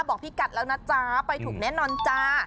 พี่กัดแล้วนะจ๊ะไปถูกแน่นอนจ้า